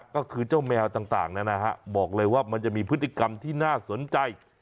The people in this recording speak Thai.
ก็คือเจ้าแมวต่างบอกเลยว่ามันจะมีพฤติกรรมที่น่าสนใจ